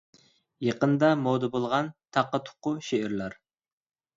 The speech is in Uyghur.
يېقىندا مودا بولغان تاققا-تۇققا شېئىرلار